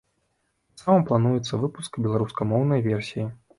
Таксама плануецца выпуск беларускамоўнай версіі.